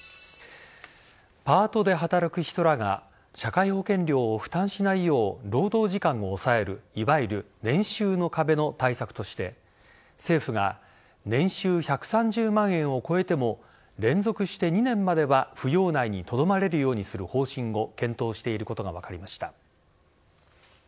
パートで働く人らが社会保険料を負担しないよう労働時間を抑えるいわゆる年収の壁の対策として政府が年収１３０万円を超えても連続して２年までは扶養内にとどまれるようにする方針を検討していることが分かりました。